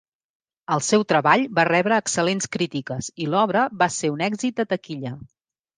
El seu treball va rebre excel·lents crítiques i l'obra va ser un èxit de taquilla.